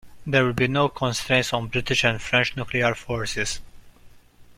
There would be no constraints on British and French nuclear forces.